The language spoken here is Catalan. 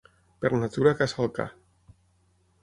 Per natura caça el ca.